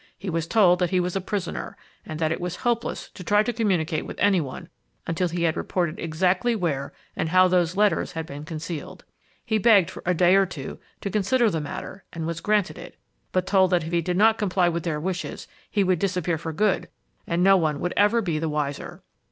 He was told that he was a prisoner and that it was hopeless to try to communicate with any one until he had reported exactly where and how those letters had been concealed. He begged for a day or two to consider the matter and was granted it, but told that if he did not comply with their wishes he would disappear for good and no one would ever be the wiser.